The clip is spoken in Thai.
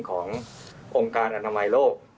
ขององค์การอนามัยโลก